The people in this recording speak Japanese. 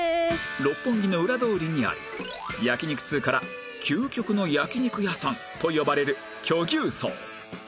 六本木の裏通りにあり焼き肉通から「究極の焼き肉屋さん」と呼ばれる巨牛荘